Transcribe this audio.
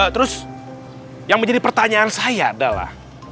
terus yang menjadi pertanyaan saya adalah